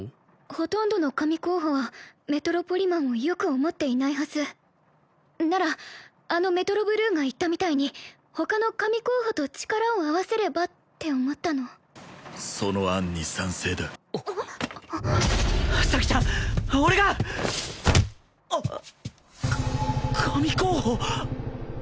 ほとんどの神候補はメトロポリマンをよく思っていないはずならあのメトロブルーが言ったみたいに他の神候補と力を合わせればって思ったのその案に賛成だ咲ちゃん俺が！か神候補！？